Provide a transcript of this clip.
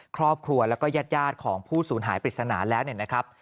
ครอบครัวและยาดของผู้สูญหายปริศนาแล้วนะครับ